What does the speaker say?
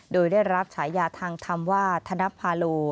โดยได้รับฉายาทางธรรมว่าธนภาโล